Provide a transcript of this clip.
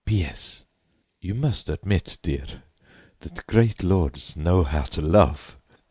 P. S. You must admit, dear, that great lords know how to love!